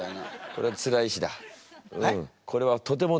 これはつらい詩？